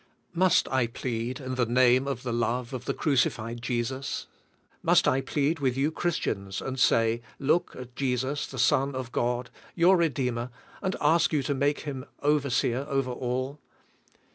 Must I plead in the name of the love of the cruci fied Jesus; must I plead with you Christians, and say. Look at Jesus, the Son of God, your Re deemer, and ask you to make Him overseer over all?